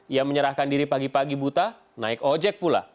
ia menyerahkan diri pagi pagi buta naik ojek pula